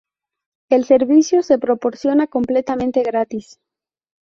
El servicio se proporciona completamente gratis.